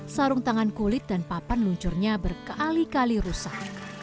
sarung tangan kulit dan papan luncurnya berkali kali rusak